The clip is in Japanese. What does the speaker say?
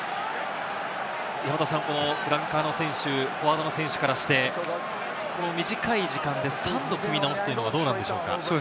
山本さんもフランカーの選手、フォワードの選手からして、短い時間で３度組み直すというのはどうなんでしょうか？